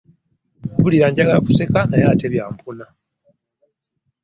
Mpulira njagala kuseka naye ate byampuna!